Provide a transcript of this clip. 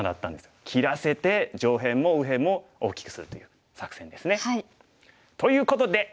切らせて上辺も右辺も大きくするという作戦ですね。ということで。